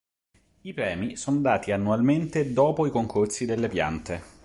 I premi sono dati annualmente dopo i concorsi delle piante.